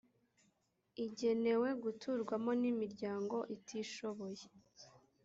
igenewe guturwamo n’imiryango itishoboye